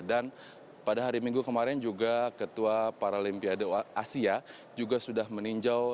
dan pada hari minggu kemarin juga ketua paralimpiade asia juga sudah meninjau